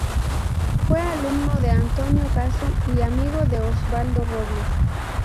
Fue alumno de Antonio Caso y amigo de Oswaldo Robles.